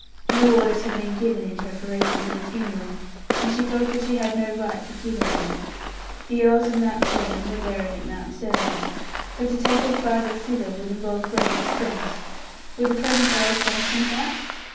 No orders had been given in preparation for the funeral, and she felt that she had no right to give any. The earls of Mount Severn were buried at Mount Severn; but to take her father thither would involve great expense; would the present earl sanction that?